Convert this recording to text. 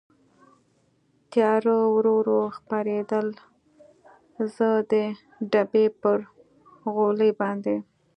تېاره ورو ورو خپرېدل، زه د ډبې پر غولي باندې.